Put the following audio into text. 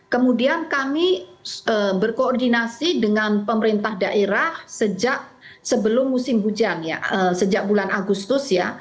kemudian kami berkoordinasi dengan pemerintah daerah sebelum musim hujan sejak bulan agustus